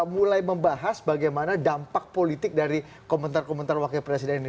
mulai membahas bagaimana dampak politik dari komentar komentar wakil presiden ini